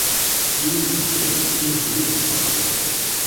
Yiwet deg-went ur telli d tameṭṭut.